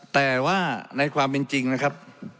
แต่ว่าในความเป็นจริงนะครับ